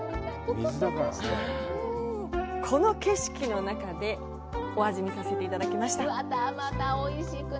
この景色の中でお味見させていただきました。